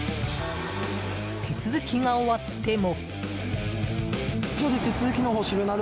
手続きが終わっても。